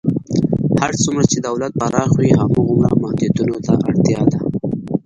هر څومره چې دولت پراخ وي، هماغومره محدودیتونو ته اړتیا ده.